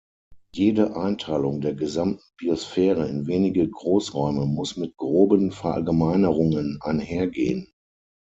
Jede Einteilung der gesamten Biosphäre in wenige Großräume muss mit groben Verallgemeinerungen einhergehen.